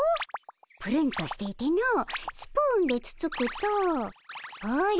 ぷるんとしていてのスプーンでつつくとほれ